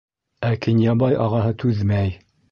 Ә Кинйәбай ағаһы түҙмәй: